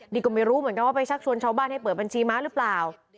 นี่ก็ไม่รู้เหมือนกันว่าไปชักชวนชาวบ้านให้เปิดบัญชีม้าหรือเปล่า